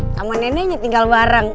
sama neneknya tinggal bareng